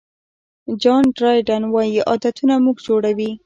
جان ډرایډن وایي عادتونه موږ جوړوي.